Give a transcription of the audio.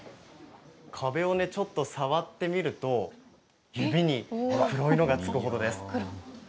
壁をちょっと触ってみると指に黒色がつくほどです。